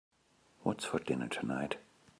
What's for dinner tonight?